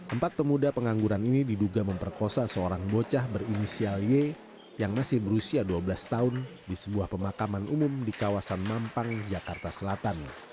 empat pemuda pengangguran ini diduga memperkosa seorang bocah berinisial y yang masih berusia dua belas tahun di sebuah pemakaman umum di kawasan mampang jakarta selatan